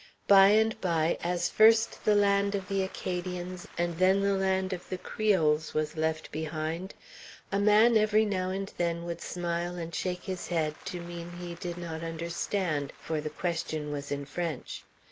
By and by, as first the land of the Acadians and then the land of the Creoles was left behind, a man every now and then would smile and shake his head to mean he did not understand for the question was in French.